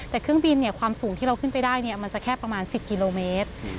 แต่เครื่องบินความสูงที่เราขึ้นไปได้มันจะแค่ประมาณ๑๐กิโลเมตร